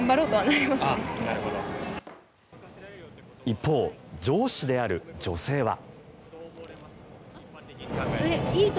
一方上司である女性は。